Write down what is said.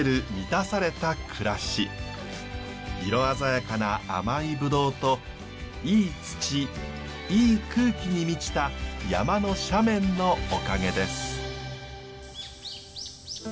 色鮮やかな甘いブドウといい土いい空気に満ちた山の斜面のおかげです。